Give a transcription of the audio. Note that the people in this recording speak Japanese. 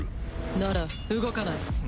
なら動かない。